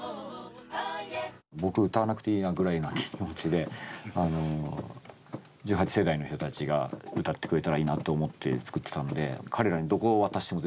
僕歌わなくていいなぐらいな気持ちであの１８世代の人たちが歌ってくれたらいいなって思って作ってたので彼らにどこを渡しても全然僕は構わないので。